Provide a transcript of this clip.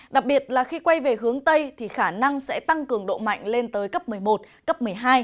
đặc biệt là khi quay về hướng tây thì khả năng sẽ tăng cường độ mạnh lên tới cấp một mươi một cấp một mươi hai